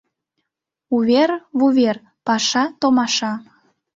Увер — вувер, паша — томаша...